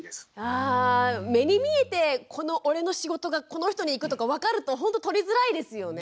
あ目に見えてこの俺の仕事がこの人にいくとか分かるとほんととりづらいですよね。